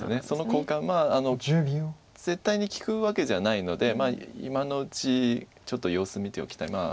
その交換絶対に利くわけじゃないので今のうちちょっと様子見ておきたい。